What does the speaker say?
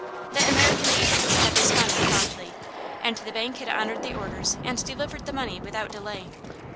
The American agents had responded promptly, and the bank had honored the orders and delivered the money without delay.